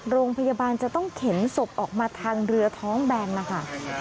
โรงพยาบาลจะต้องเข็นศพออกมาทางเรือท้องแบนนะคะ